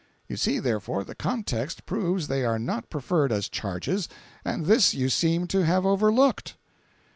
You see, therefore, the context proves they are not preferred as charges, and this you seem to have overlooked."